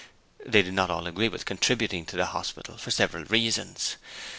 They did not all agree with contributing to the Hospital, for several reasons.